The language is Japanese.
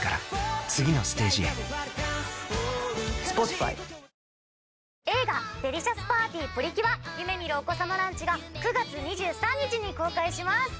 ついに映画『デリシャスパーティプリキュア夢みるお子さまランチ！』が９月２３日に公開します！